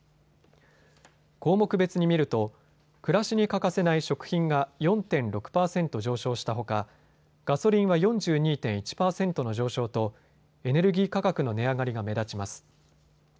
項目別に見ると暮らしに欠かせない食品が４．６％上昇したほかガソリンは４２．１％の上昇とエネルギー価格の値上がりが目立ちます。